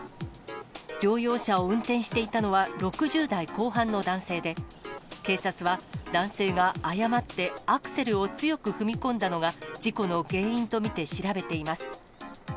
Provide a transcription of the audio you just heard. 乗用車を運転していたのは、６０代後半の男性で、警察は男性が誤ってアクセルを強く踏み込んだのが事故の原因と見て調べています。